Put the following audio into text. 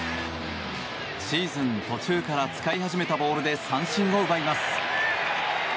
シーズン途中から使い始めたボールで三振を奪います。